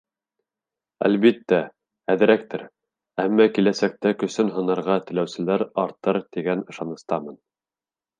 Әлбиттә, әҙерәктер, әммә киләсәктә көсөн һынарға теләүселәр артыр тигән ышаныстамын.